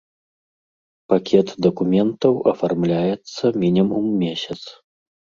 Пакет дакументаў афармляецца мінімум месяц.